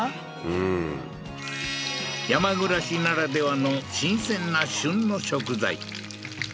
うん山暮らしならではの新鮮な旬の食材